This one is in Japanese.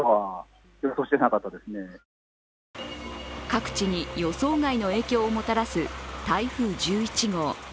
各地に予想外の影響をもたらす台風１１号。